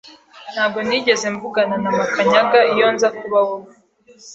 Ntabwo nigeze mvugana na Makanyaga iyo nza kuba wowe.